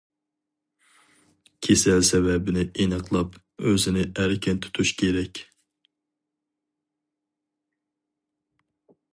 كېسەل سەۋەبىنى ئېنىقلاپ، ئۆزىنى ئەركىن تۇتۇش كېرەك.